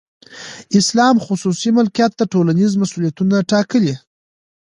اسلام خصوصي ملکیت ته ټولنیز مسولیتونه ټاکي.